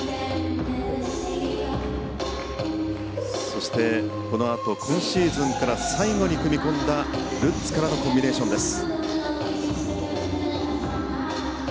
そしてこのあと今シーズンから最後に組み込んだルッツからのコンビネーションです。